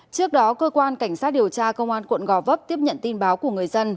trước đó cơ quan cảnh sát điều tra công an tp hồ chí minh tiếp nhận tin báo của người dân